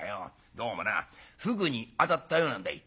どうもなふぐにあたったようなんだい」。